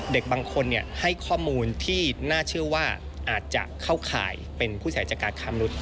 เด็กบางคนให้ข้อมูลที่น่าเชื่อว่าอาจจะเข้าข่ายเป็นผู้เสียหายจากการค้ามนุษย